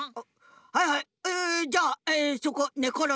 はいはいえじゃあそこねころんでください。